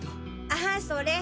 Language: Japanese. ああそれ。